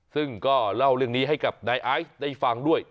ซึ่งก็เล่าเรื่องนี้ให้กับนายไอซ์ได้ฟังด้วย